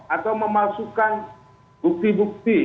atau memalsukan bukti bukti